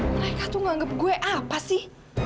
mereka tuh menganggap gue apa sih